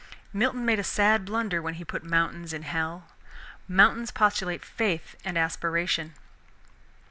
Milton made a sad blunder when he put mountains in hell. Mountains postulate faith and aspiration.